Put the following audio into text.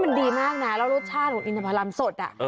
มันดีมากนะแล้วรสชาติของอินทพรรมสด